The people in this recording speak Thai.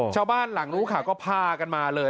ชาวบ้านหลังนู้ขาก็พากันมาเลย